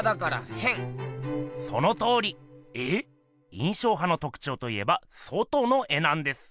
印象派のとくちょうといえば外の絵なんです。